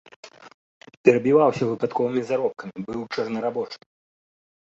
Перабіваўся выпадковымі заробкамі, быў чорнарабочым.